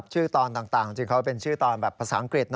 ชื่อตอนต่างเป็นชื่อตอนแบบภาษาอังกฤษ